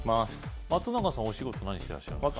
松永さんお仕事何してらっしゃるんですか？